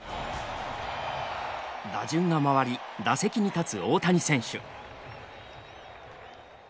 打順が回り打席に立つ大谷選手。